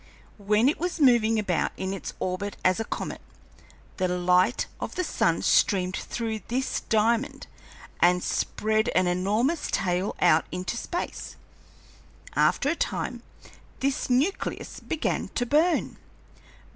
When it was moving about in its orbit as a comet, the light of the sun streamed through this diamond and spread an enormous tail out into space; after a time this nucleus began to burn."